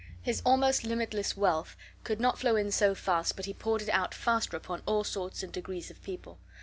His almost infinite wealth could not flow in so fast but he poured it out faster upon all sorts and degrees of people.